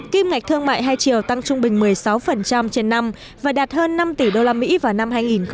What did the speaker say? kim ngạch thương mại hai triệu tăng trung bình một mươi sáu trên năm và đạt hơn năm tỷ usd vào năm hai nghìn hai mươi